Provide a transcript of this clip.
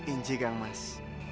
inji kang mas